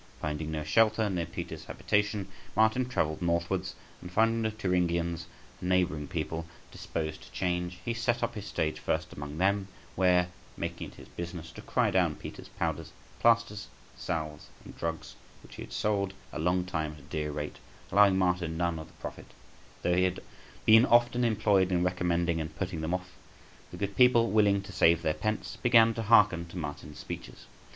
Finding no shelter near Peter's habitation, Martin travelled northwards, and finding the Thuringians, a neighbouring people, disposed to change, he set up his stage first among them, where, making it his business to cry down Peter's powders, plasters, salves, and drugs, which he had sold a long time at a dear rate, allowing Martin none of the profit, though he had been often employed in recommending and putting them off, the good people, willing to save their pence, began to hearken to Martin's speeches.